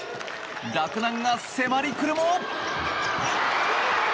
洛南が迫りくるも。